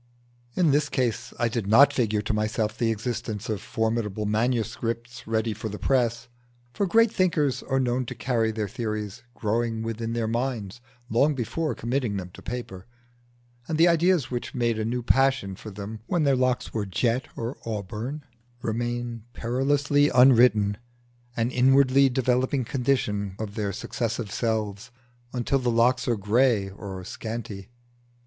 In this case I did not figure to myself the existence of formidable manuscripts ready for the press; for great thinkers are known to carry their theories growing within their minds long before committing them to paper, and the ideas which made a new passion for them when their locks were jet or auburn, remain perilously unwritten, an inwardly developing condition of their successive selves, until the locks are grey or scanty.